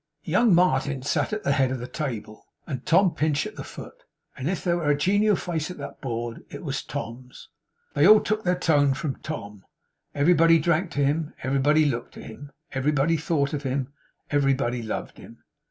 Young Martin sat at the head of the table, and Tom Pinch at the foot; and if there were a genial face at that board, it was Tom's. They all took their tone from Tom. Everybody drank to him, everybody looked to him, everybody thought of him, everybody loved him.